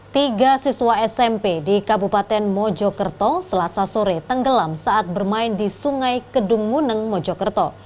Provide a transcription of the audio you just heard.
tiga siswa smp di kabupaten mojokerto selasa sore tenggelam saat bermain di sungai kedung muneng mojokerto